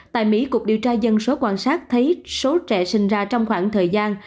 tại mỹ cục điều tra dân số quan sát thấy số trẻ sinh ra trong khoảng thời gian